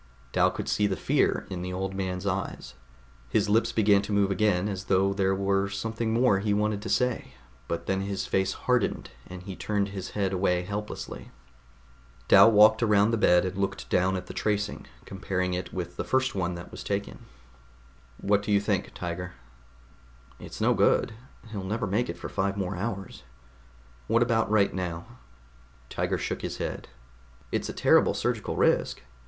Dal could see the fear in the old man's eyes. His lips began to move again as though there were something more he wanted to say; but then his face hardened, and he turned his head away helplessly. Dal walked around the bed and looked down at the tracing, comparing it with the first one that was taken. "What do you think, Tiger?" "It's no good. He'll never make it for five more hours." "What about right now?" Tiger shook his head. "It's a terrible surgical risk."